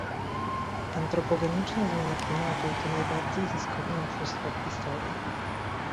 antropogeniczna zmiana klimatu to najbardziej zyskowne oszustwo w historii